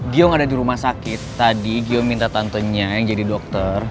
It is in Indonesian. dia ada di rumah sakit tadi gio minta tantenya yang jadi dokter